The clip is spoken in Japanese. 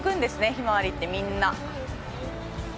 ひまわりって、みんな。